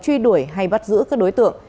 truy đuổi hay bắt giữ các đối tượng